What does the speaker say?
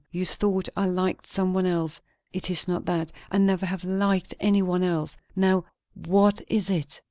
You thought I liked some one else; it is not that; I never have liked any one else. Now, what is it?"